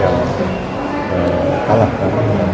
banyak pihak yang kalah